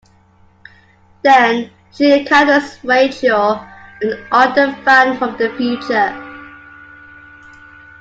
Then she encounters Rachael, an ardent fan from the future.